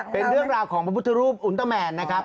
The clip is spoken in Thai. เป็นเรื่องราวของพระพุทธรูปอุลเตอร์แมนนะครับ